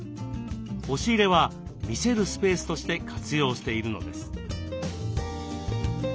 押し入れは見せるスペースとして活用しているのです。